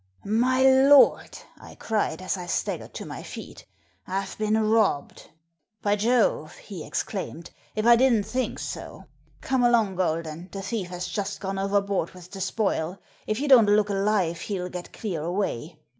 "* My lord,' I cried, as I staggered to my feet, ' I've been robbed.' "*By Jove,' he exclaimed, *if I didn't think sa Come along. Golden, the thief has just gone over board with the spoil — ^if you don't look alive hell get clear away.'